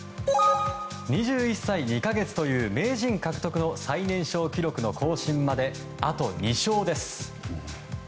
２１歳２か月という名人獲得の最年少記録の更新まで、あと２勝です。